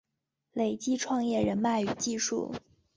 累积创业人脉与技术